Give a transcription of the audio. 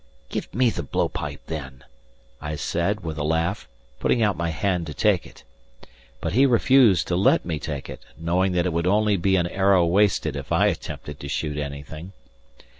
"Give me the blow pipe, then," I said, with a laugh, putting out my hand to take it. But he refused to let me take it, knowing that it would only be an arrow wasted if I attempted to shoot anything.